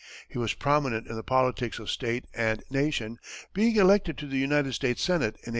He was prominent in the politics of state and nation, being elected to the United States Senate in 1885.